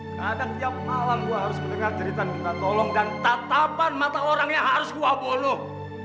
kadang tiap malam gue harus mendengar cerita minta tolong dan tatapan mata orang yang harus gue boluh